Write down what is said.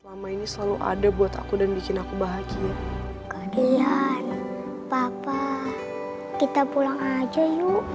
lama ini selalu ada buat aku dan bikin aku bahagia kalian papa kita pulang aja yuk